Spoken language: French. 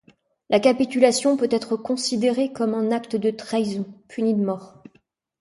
La capitulation peut être considérée comme un acte de trahison, puni de mort.